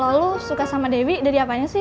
kalo lu suka sama dewi dari apanya sih